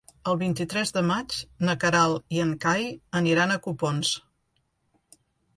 El vint-i-tres de maig na Queralt i en Cai aniran a Copons.